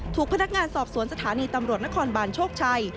ถูกพนักงานสอบสวนสถานีตำรวจนครบานโชคชัย